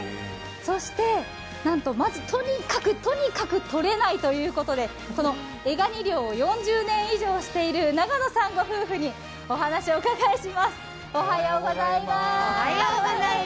そしてなんとまずとにかくとにかくとれないということでエガニ漁を４０年以上している永野さんご夫婦にお願いします。